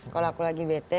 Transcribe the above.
kalau aku lagi bete